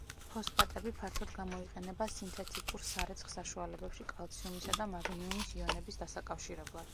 ფოსფატები ფართოდ გამოიყენება სინთეთიკურ სარეცხ საშუალებებში კალციუმისა და მაგნიუმის იონების დასაკავშირებლად.